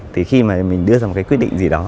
thì khi mà mình đưa ra một cái quyết định gì đó